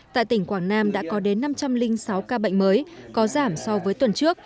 tại tỉnh quảng nam đã có đến năm trăm linh sáu ca bệnh mới có giảm so với tuần trước